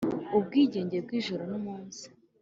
ubwigenge bw'ijoro n'umunsi,